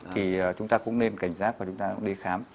thì chúng ta cũng nên cảnh giác và chúng ta đi khám